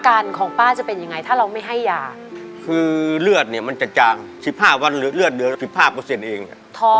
การของป้าจะเป็นยังไงถ้าเราไม่ให้ยาคือเลือดเนี่ยมันจะจางสิบห้าวันหรือเลือดเดือนละสิบห้าเปอร์เซ็นต์เองเนี่ยท้อ